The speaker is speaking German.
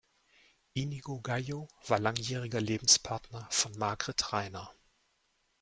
Inigo Gallo war langjähriger Lebenspartner von Margrit Rainer.